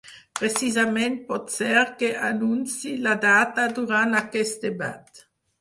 Precisament pot ser que anunciï la data durant aquest debat.